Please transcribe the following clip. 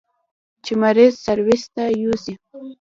چې مريض سرويس ته يوسي.